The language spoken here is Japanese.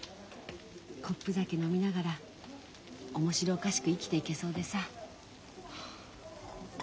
コップ酒飲みながら面白おかしく生きていけそうでさ。